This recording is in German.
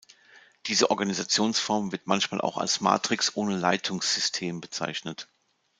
Diese Organisationsform wird manchmal auch als Matrix ohne Leitungssystem bezeichnet.